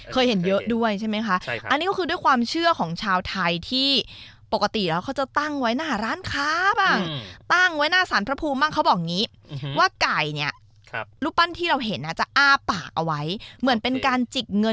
ก็ไม่แน่ใจแต่ชอบอันนี้ชอบมาก